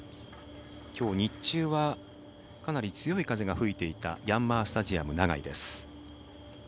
きょう、日中はかなり強い風が吹いていたヤンマースタジアム長居です。